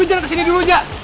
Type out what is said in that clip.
jangan kesini dulu jak